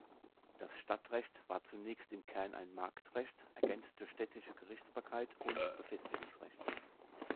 Das Stadtrecht war zunächst im Kern ein Marktrecht, ergänzt durch städtische Gerichtsbarkeit und Befestigungsrecht.